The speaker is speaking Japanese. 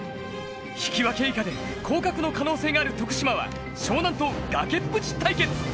引き分け以下で降格の可能性がある徳島は、湘南と崖っぷち対決。